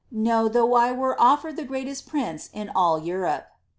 No, though 1 were offered tlie greatest prince in all Europe.'